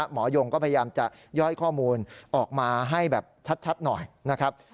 หมอยงก็พยายามจะย่อยข้อมูลออกมาให้แบบชัดหน่อยนะครับ